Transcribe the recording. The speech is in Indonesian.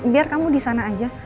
biar kamu disana aja